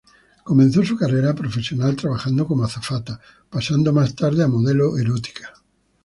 Comenzó su carrera profesional trabajando como azafata, pasando más tarde a modelo erótica.